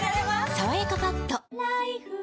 「さわやかパッド」